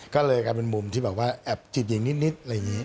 ก็เลยกลายเป็นมุมที่แบบว่าแอบจิตหญิงนิดอะไรอย่างนี้